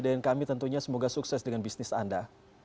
dan kami tentunya semoga sukses dengan bisnis anda